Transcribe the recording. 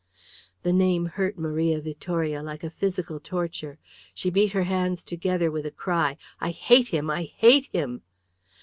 The name hurt Maria Vittoria like a physical torture. She beat her hands together with a cry, "I hate him! I hate him!"